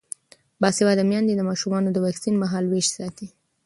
باسواده میندې د ماشومانو د واکسین مهالویش ساتي.